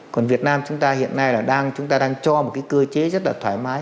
còn việt nam chúng ta hiện nay là đang chúng ta đang cho một cái cơ chế rất là thoải mái